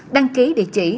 đăng ký địa chỉ